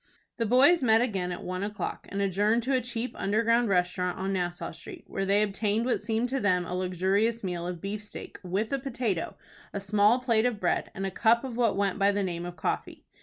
The boys met again at one o'clock, and adjourned to a cheap underground restaurant on Nassau Street, where they obtained what seemed to them a luxurious meal of beefsteak, with a potato, a small plate of bread, and a cup of what went by the name of coffee.